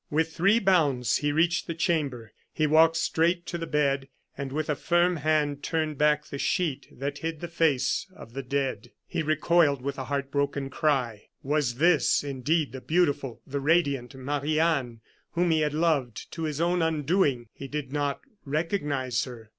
With three bounds he reached the chamber; he walked straight to the bed, and with a firm hand turned back the sheet that hid the face of the dead. He recoiled with a heart broken cry. Was this indeed the beautiful, the radiant Marie Anne, whom he had loved to his own undoing! He did not recognize her.